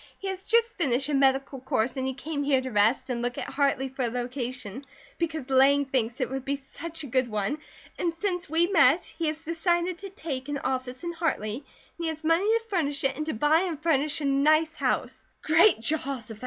He has just finished a medical course and he came here to rest and look at Hartley for a location, because Lang thinks it would be such a good one. And since we met he has decided to take an office in Hartley, and he has money to furnish it, and to buy and furnish a nice house." "Great Jehoshaphat!"